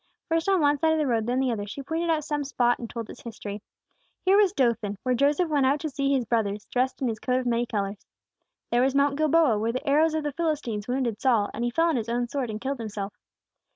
First on one side of the road, then the other, she pointed out some spot and told its history. Here was Dothan, where Joseph went out to see his brothers, dressed in his coat of many colors. There was Mount Gilboa, where the arrows of the Philistines wounded Saul, and he fell on his own sword and killed himself.